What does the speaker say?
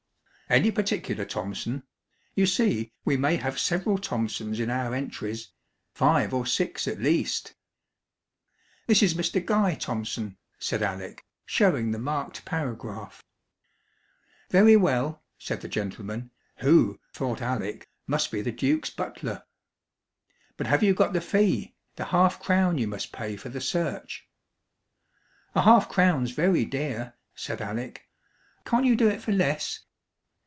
"Any particular Thompson? You see, we may have several Thompsons in our entries five or six at least." "This is Mr. Guy Thompson," said Alec, showing the marked paragraph. "Very well," said the gentleman (who, thought Alec, must be the Duke's butler). "But have you got the fee? the half crown you must pay for the search?" "A half crown's very dear," said Alec. "Can't you do it for less?"